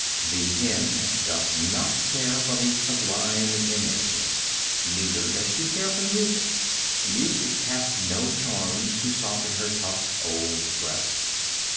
The hen does not care for the sublime in nature. Neither does she care for music. Music hath no charms to soften her tough old breast.